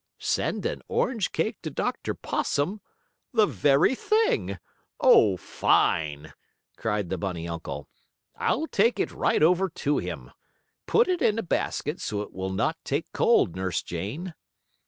"Send an orange cake to Dr. Possum? The very thing! Oh, fine!" cried the bunny uncle. "I'll take it right over to him. Put it in a basket, so it will not take cold, Nurse Jane."